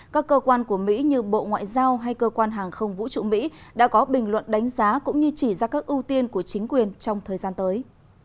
các cơ quan của mỹ như bộ ngoại giao hay cơ quan hàng không vũ trụ mỹ đã có bình luận đánh giá cũng như chỉ ra các ưu tiên của chính quyền trong thời gian tới